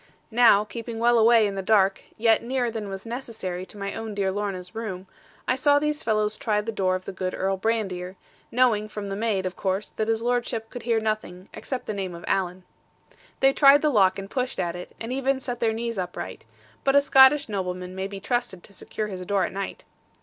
Now, keeping well away in the dark, yet nearer than was necessary to my own dear Lorna's room, I saw these fellows try the door of the good Earl Brandir, knowing from the maid, of course, that his lordship could hear nothing, except the name of Alan. They tried the lock, and pushed at it, and even set their knees upright; but a Scottish nobleman may be trusted to secure his door at night.